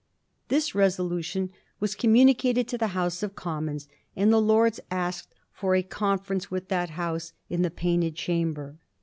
This resolution was communicated to the House of Commons, and the Lords asked for a conference with that House in the Painted Chamber.